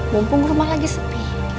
mumpung rumah lagi sepi